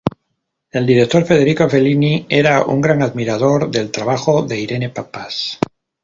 El director Federico Fellini era un gran admirador del trabajo de Irene Papas.